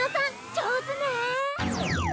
上手ね！